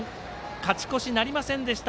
勝ち越しなりませんでした。